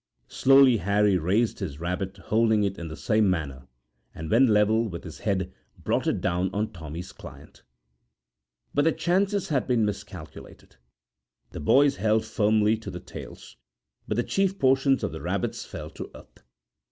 Slowly Harry raised his rabbit holding it in the same manner, and when level with his head brought it down on Tommy's client. But the chances had been miscalculated. The boys held firmly to the tails, but the chief portions of the rabbits fell to earth.